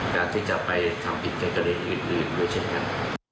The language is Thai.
การที่จะไปทำผิดในประเด็นอื่นด้วยเช่นกัน